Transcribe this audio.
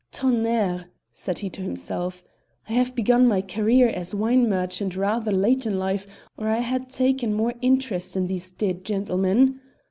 "Tonnerre!" said he to himself, "I have begun my career as wine merchant rather late in life or I had taken more interest in these dead gentlemen.